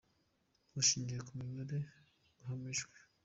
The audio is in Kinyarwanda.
bushingiye ku mibare, hagamijwe.